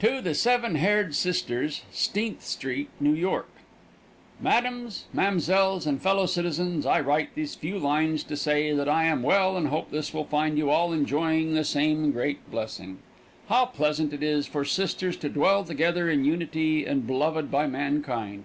To the Seven Haired Sisters, 'Steenth Street, New York: MESDAMES, MAMSELLES AND FELLOW CITIZENS I write these few lines to say that I am well and hope this will find you all enjoying the same great blessing. How pleasant it is for sisters to dwell together in unity and beloved by mankind.